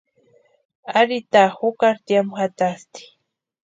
Ari taa jukari tiamu jatasti.